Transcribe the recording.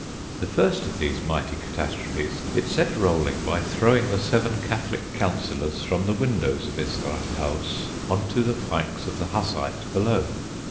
The first of these mighty catastrophes it set rolling by throwing the seven Catholic councillors from the windows of its Rathhaus on to the pikes of the Hussites below.